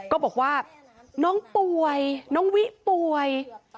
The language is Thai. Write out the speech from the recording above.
ก็บอกว่าน้องป่วยน้องวิป่วย